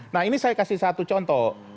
nah ini saya kasih satu contoh